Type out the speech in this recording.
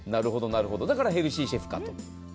だからヘルシーシェフかと。